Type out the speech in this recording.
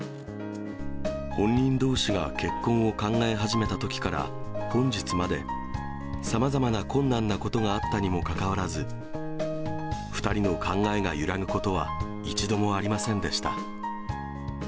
本人どうしが結婚を考え始めたときから本日まで、さまざまな困難なことがあったにもかかわらず、２人の考えが揺らぐことは一度もありませんでした。